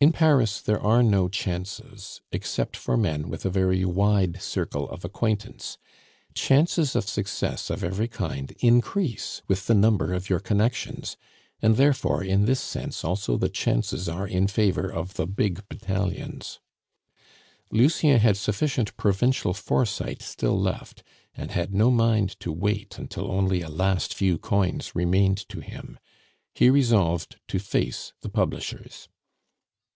In Paris there are no chances except for men with a very wide circle of acquaintance; chances of success of every kind increase with the number of your connections; and, therefore, in this sense also the chances are in favor of the big battalions. Lucien had sufficient provincial foresight still left, and had no mind to wait until only a last few coins remained to him. He resolved to face the publishers.